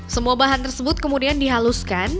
semua bahan tersebut kemudian dihaluskan